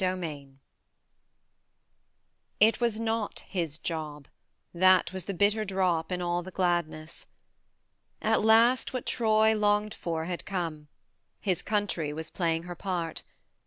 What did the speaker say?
VI IT was not "his job" that was the bitter drop in all the gladness. At last what Troy longed for had come : his country was playing her part.